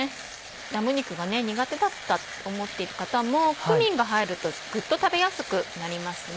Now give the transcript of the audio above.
ラム肉が苦手だったって思ってる方もクミンが入るとグッと食べやすくなりますね。